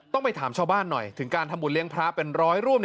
ไปถามชาวบ้านหน่อยถึงการทำบุญเลี้ยงพระเป็นร้อยรูป